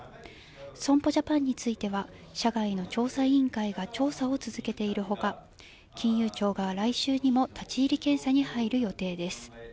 損保ジャパンについては、社外の調査委員会が調査を続けているほか、金融庁が来週にも立ち入り検査に入る予定です。